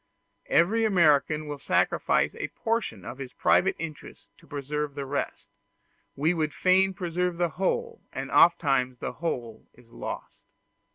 Every American will sacrifice a portion of his private interests to preserve the rest; we would fain preserve the whole, and oftentimes the whole is lost.